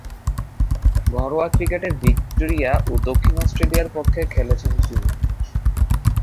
ঘরোয়া ক্রিকেটে ভিক্টোরিয়া ও দক্ষিণ অস্ট্রেলিয়ার পক্ষে খেলেছেন তিনি।